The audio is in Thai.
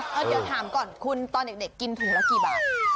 เอาเดี๋ยวถามก่อนคุณตอนเด็กกินถุงละกี่บาท